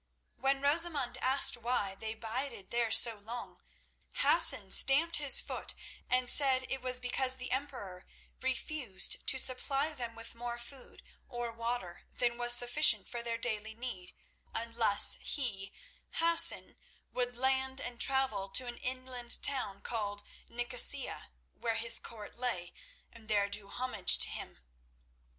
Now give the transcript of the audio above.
When Rosamund asked why they bided there so long, Hassan stamped his foot and said it was because the Emperor refused to supply them with more food or water than was sufficient for their daily need, unless he, Hassan, would land and travel to an inland town called Nicosia, where his court lay, and there do homage to him.